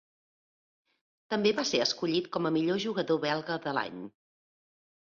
També va ser escollit com a millor jugador belga de l'any.